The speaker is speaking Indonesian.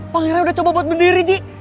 pangeran udah coba buat berdiri ji